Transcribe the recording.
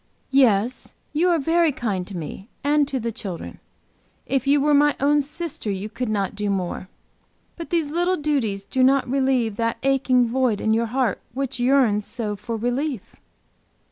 "Yes, you are very kind to me and to the children. If you were my own sister you could not do more. But these little duties do not relieve that aching void in your heart which yearns so for relief."